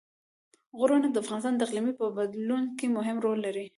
غرونه د افغانستان د اقلیم په بدلون کې مهم رول لري.